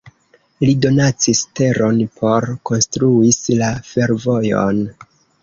Li donacis teron por konstruis la fervojon.